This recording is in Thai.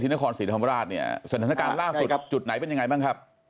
นครศรีธรรมราชเนี่ยสถานการณ์ล่าสุดจุดไหนเป็นยังไงบ้างครับ